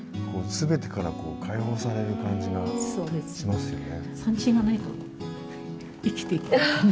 全てからこう解放される感じがしますよね。